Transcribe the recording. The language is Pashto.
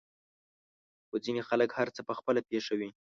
خو ځينې خلک هر څه په خپله پېښوي.